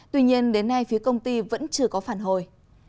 tuy nhiên đến nay phía công ty vẫn chưa có phản hồi